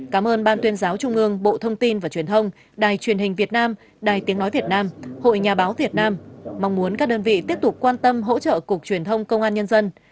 cảm ơn ban tuyên giáo trung ương bộ thông tin và truyền thông đài truyền hình việt nam đài tiếng nói việt nam hội nhà báo việt nam mong muốn các đơn vị tiếp tục quan tâm hỗ trợ cục truyền thông công an nhân dân